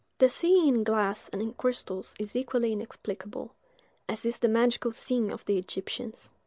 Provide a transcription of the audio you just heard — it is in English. The seeing in glass and in crystals is equally inexplicable; as is the magical seeing of the Egyptians.